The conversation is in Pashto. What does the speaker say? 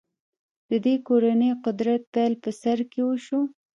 د دې کورنۍ قدرت پیل په سر کې وشو.